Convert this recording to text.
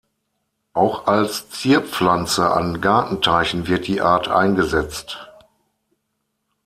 Auch als Zierpflanze an Gartenteichen wird die Art eingesetzt.